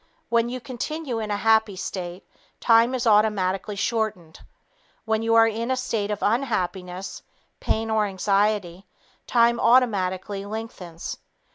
When you continue in a happy state, time is automatically shortened. When you are in a state of unhappiness, pain or anxiety, time automatically lengthens.